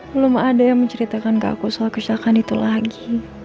belum ada yang menceritakan ke aku soal kerusakan itu lagi